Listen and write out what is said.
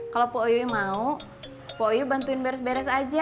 kalau poooyoi mau poooyoi bantuin beres beres aja